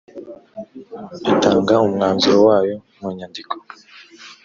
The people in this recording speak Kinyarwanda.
itanga umwanzuro wayo mu nyandiko